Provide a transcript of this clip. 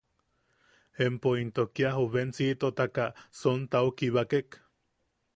¿Empo into kia jovencíitotaka sontao kibakek?